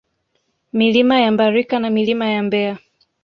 Milima ya Mbarika na Milima ya Mbeya